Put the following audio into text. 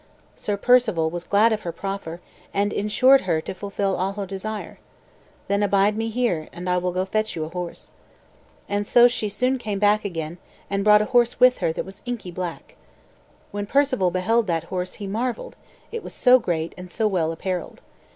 Sir Perceval was glad of her proffer, and insured her to fulfil all her desire. "Then abide me here, and I will go fetch you a horse." And so she soon came again, and brought a horse with her that was inky black. When Perceval beheld that horse he marvelled, it was so great and so well apparelled.